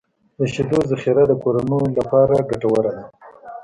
د شیدو ذخیره د کورنیو لپاره ګټوره ده.